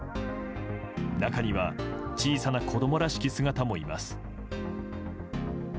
中には小さな子供らしき姿もいます。